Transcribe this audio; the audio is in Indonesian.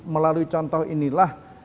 melalui contoh inilah